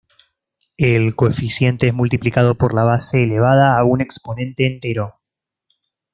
El coeficiente es multiplicado por la base elevada a un exponente entero.